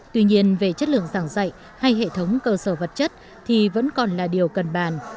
tuy nhiên về chất lượng giảng dạy hay hệ thống cơ sở vật chất thì vẫn còn là điều cần bàn